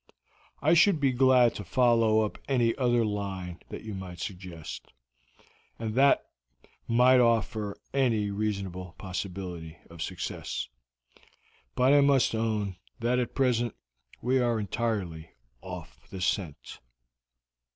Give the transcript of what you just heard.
I should be glad to follow up any other line that you might suggest, and that might offer any reasonable possibility of success, but I must own that at present we are entirely off the scent."